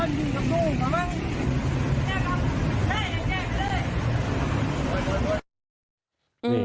นี่